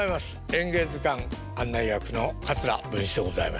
「演芸図鑑」案内役の桂文枝でございます。